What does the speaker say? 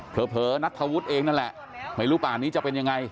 เผลอนัทธวุฒิเองนั่นแหละไม่รู้ป่านี้จะเป็นยังไง